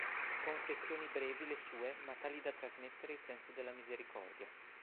Confessioni brevi le sue ma tali da trasmettere il senso della misericordia.